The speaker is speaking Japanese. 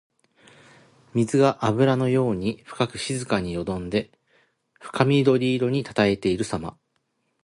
水があぶらのように深く静かによどんで深緑色にたたえているさま。